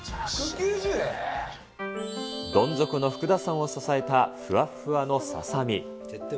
どん底の福田さんを支えたふわっふわのささみ。